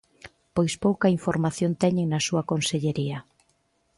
Pois pouca información teñen na súa Consellería.